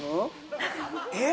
えっ？